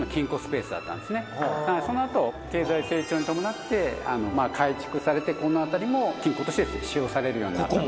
その後経済成長に伴って改築されてこの辺りも金庫として使用されるようになったと。